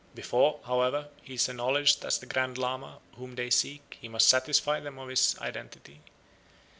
Before, however, he is acknowledged as the Grand Lama whom they seek he must satisfy them of his identity.